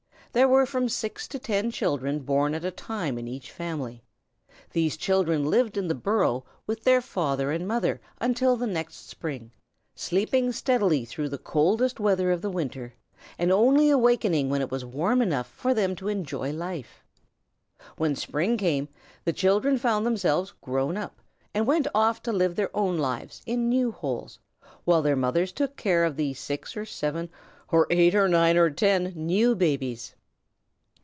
There were from six to ten children born at a time in each family. These children lived in the burrow with their father and mother until the next spring, sleeping steadily through the coldest weather of winter, and only awakening when it was warm enough for them to enjoy life. When spring came, the children found themselves grown up and went off to live their own lives in new holes, while their mothers took care of the six or seven or eight or nine or ten new babies.